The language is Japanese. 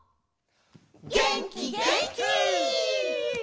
げんきげんき！